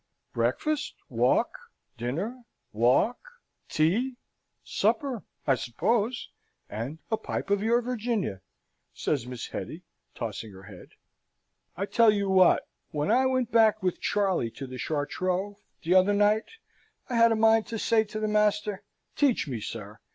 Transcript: "Breakfast, walk dinner, walk tea, supper, I suppose; and a pipe of your Virginia," says Miss Hetty, tossing her head. "I tell you what, when I went back with Charley to the Chartreux, t'other night, I had a mind to say to the master, 'Teach me, sir.